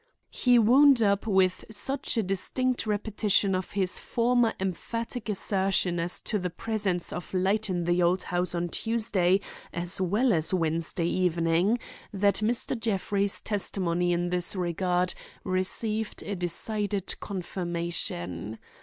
He wound up with such a distinct repetition of his former emphatic assertion as to the presence of light in the old house on Tuesday as well as Wednesday evening that Mr. Jeffrey's testimony in this regard received a decided confirmation.